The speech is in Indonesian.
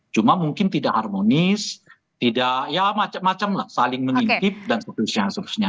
cuma mungkin tidak harmonis tidak ya macam macam lah saling mengintip dan seterusnya seterusnya